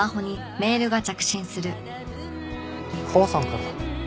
母さんからだ。